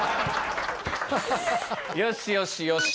よしよしよし。